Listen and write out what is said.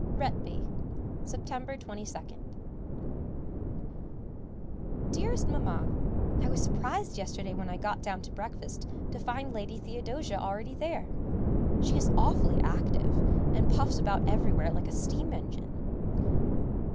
Retby, September 22nd. [Sidenote: Settling Down] Dearest Mamma, I was surprised yesterday when I got down to breakfast to find Lady Theodosia already there. She is awfully active, and puffs about everywhere like a steam engine.